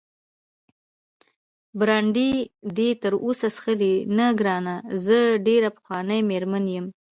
برانډي دې تراوسه څښلی؟ نه ګرانه، زه ډېره پخوانۍ مېرمن یم.